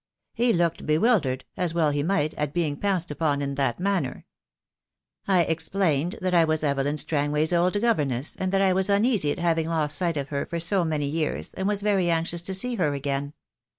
He looked bewildered, as well he might, at being pounced upon in that manner. I explained that I was Evelyn Strangway's old governess, and that I was uneasy at having lost sight of her for so many years, and was very anxious to see her again.